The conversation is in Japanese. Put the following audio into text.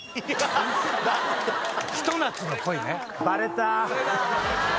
ひと夏の恋ね。